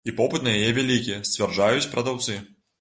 І попыт на яе вялікі, сцвярджаюць прадаўцы.